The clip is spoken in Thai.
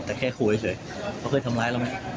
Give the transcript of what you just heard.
แต่แค่ขู่เฉยเขาเคยทำร้ายเราไหม